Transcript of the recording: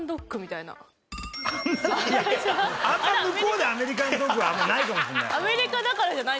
いやあんま向こうでアメリカンドッグはないかもしれない。